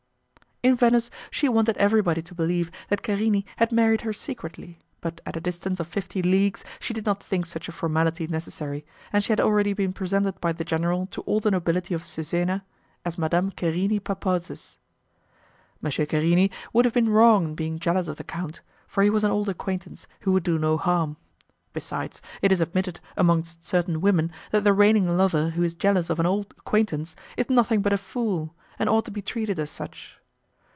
In Venice she wanted everybody to believe that Querini had married her secretly, but at a distance of fifty leagues she did not think such a formality necessary, and she had already been presented by the general to all the nobility of Cesena as Madame Querini Papozzes. M. Querini would have been wrong in being jealous of the count, for he was an old acquaintance who would do no harm. Besides, it is admitted amongst certain women that the reigning lover who is jealous of an old acquaintance is nothing but a fool, and ought to be treated as such.